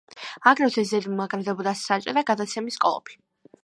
აგრეთვე ზედ მაგრდებოდა საჭე და გადაცემის კოლოფი.